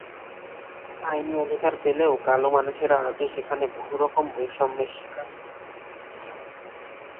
আইনি অধিকার পেলেও কালো মানুষেরা আজও সেখানে বহু রকম বৈষম্যের শিকার।